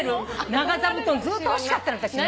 長座布団ずっと欲しかったの。